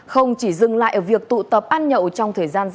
không chỉ dừng lại ở việc tụ tập ăn nhậu trong thời gian dài